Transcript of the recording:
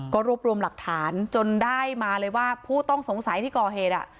ก็รวบรวมหลักฐานจนได้มาเลยว่าผู้ต้องสงสัยที่ก่อเหตุ